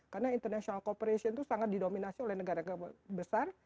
karena international cooperation itu sangat didominasi oleh negara besar